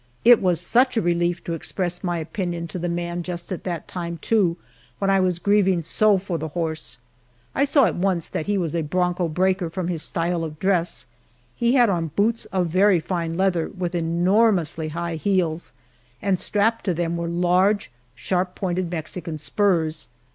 It was such a relief to express my opinion to the man just at that time, too, when I was grieving so for the horse. I saw at once that he was a bronco breaker from his style of dress. He had on boots of very fine leather with enormously high heels, and strapped to them were large, sharp pointed Mexican spurs.